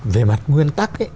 về mặt nguyên tắc